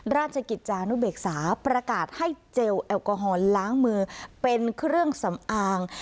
ราชกิจจานุเบกษาประกาศให้เจลแอลกอฮอลล้างมือเป็นเครื่องสำอาง